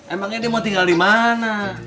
emangnya dia mau tinggal di mana